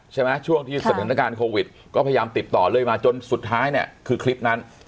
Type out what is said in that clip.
ช่วงที่สถานการณ์โควิดก็พยายามติดต่อเรื่อยมาจนสุดท้ายเนี่ยคือคลิปนั้น